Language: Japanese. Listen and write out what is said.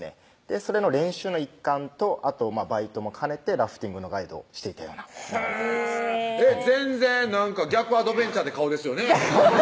それの練習の一環とあとバイトも兼ねてラフティングのガイドをしていたような全然なんか逆アドベンチャーって顔ですよね